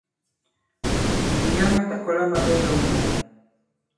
Màyìŋga ma ta kɔ̀la ma ɓɛgɛ wɛ ŋgǎn.